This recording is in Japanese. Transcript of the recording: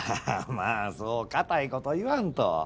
まあまあそう固い事言わんと。